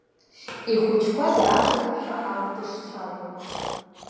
Ихәыҷқәа драцәажәошәа ауп дышцәажәо.